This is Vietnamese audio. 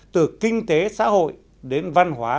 từ kinh tế xã hội đến văn hóa